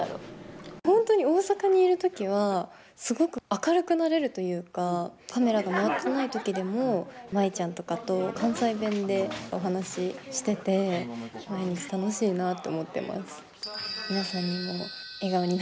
本当に大阪にいる時はすごく明るくなれるというかカメラが回ってない時でも舞ちゃんとかと関西弁でお話ししてて毎日楽しいなと思ってます。